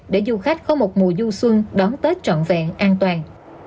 để du khách có một mùa du xuân đón tết trọn vẹn an toàn